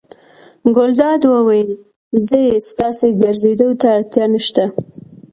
ګلداد وویل: ځئ ستاسې ګرځېدو ته اړتیا نه شته.